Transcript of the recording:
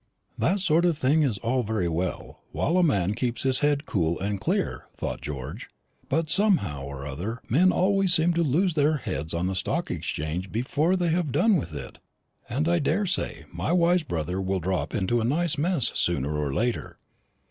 "That sort of thing is all very well while a man keeps his head cool and clear," thought George; "but somehow or other men always seem to lose their heads on the Stock Exchange before they have done with it, and I daresay my wise brother will drop into a nice mess sooner or later.